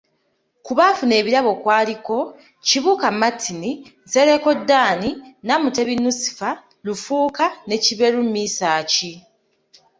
Ku baafuna ebirabo kwaliko; Kibuuka Martin, Nsereko Dan, Namutebi Nusifa, Lufuka ne Kiberu Misaaki.